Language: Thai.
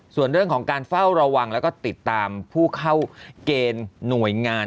ส่วนเรื่องของการเฝ้าระวังแล้วก็ติดตามผู้เข้าเกณฑ์หน่วยงาน